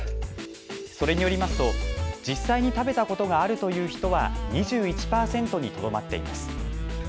それによりますと実際に食べたことがあるという人は２１％にとどまっています。